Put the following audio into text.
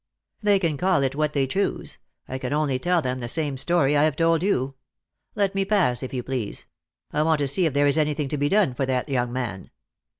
" They can call it what they choose. I can only tell them the same story I have told you. Let me pass, if you please ; I want to see if there is anything to be done for that young man."